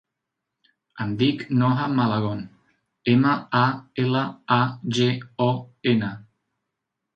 Em dic Noha Malagon: ema, a, ela, a, ge, o, ena.